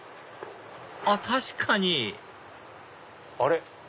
あっ確かにあれ？